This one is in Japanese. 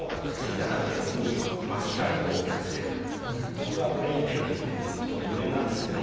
僕がブレインテックと言ってるゆえんなんですけども。